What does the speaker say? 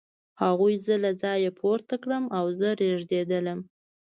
هغوی زه له ځایه پورته کړم او زه رېږېدلم